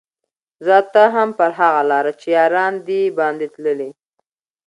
ځه ته هم پر هغه لاره چي یاران دي باندي تللي